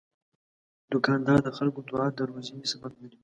دوکاندار د خلکو دعا د روزي سبب ګڼي.